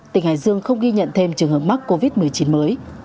tỉnh hải dương không ghi nhận thêm trường hợp mắc covid một mươi chín mới